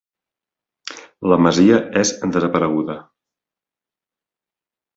La masia és desapareguda.